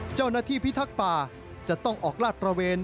เจ้าหน้าที่พิทักษ์ป่าจะต้องออกราศประเวณ